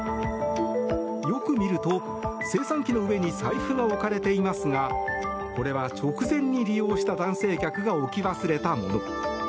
よく見ると、精算機の上に財布が置かれていますがこれは直前に利用した男性客が置き忘れたもの。